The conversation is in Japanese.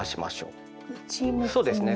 そうですね。